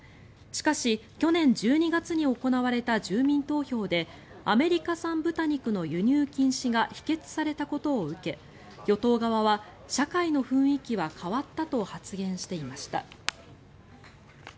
しかし、去年１２月に行われた住民投票でアメリカ産豚肉の輸入禁止が否決されたことを受け与党側は社会の雰囲気は変わったと発言していました。